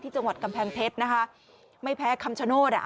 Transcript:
จังหวัดกำแพงเพชรนะคะไม่แพ้คำชโนธอ่ะ